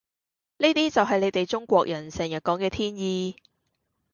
呢啲就係你地中國人成日講嘅天意